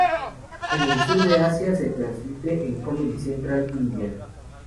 En el sur de Asia, se transmite en Comedy Central India.